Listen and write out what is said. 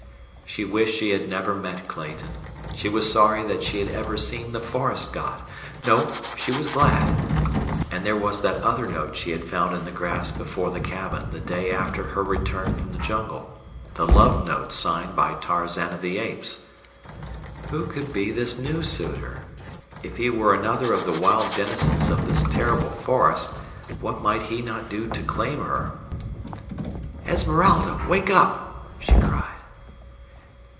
She wished she had never met Clayton. She was sorry that she had ever seen the forest god. No, she was glad. And there was that other note she had found in the grass before the cabin the day after her return from the jungle, the love note signed by Tarzan of the Apes. Who could be this new suitor? If he were another of the wild denizens of this terrible forest what might he not do to claim her? "Esmeralda! Wake up," she cried.